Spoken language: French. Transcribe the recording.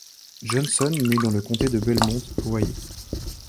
Johnson né dans le comté de Belmont, Ohio.